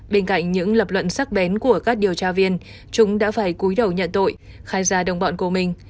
bên cạnh những lập luận sắc bén của các điều tra viên chúng đã phải cúi đầu nhận tội khai ra đồng bọn của mình